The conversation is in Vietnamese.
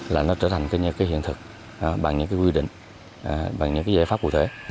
là nó trở thành cái hiện thực bằng những cái quy định bằng những cái giải pháp cụ thể